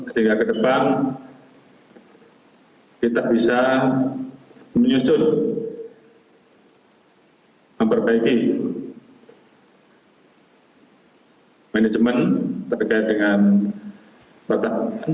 sehingga ke depan kita bisa menyusun memperbaiki manajemen terkait dengan pertahanan